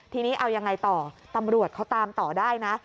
ทีนี้เอายังไงต่อตำรวจเขาตามต่อได้นะ